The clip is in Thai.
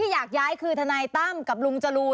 อยากย้ายคือทนายตั้มกับลุงจรูน